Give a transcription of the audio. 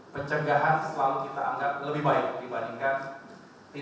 pencegahan selalu kita anggap lebih baik dibandingkan strategi yang lain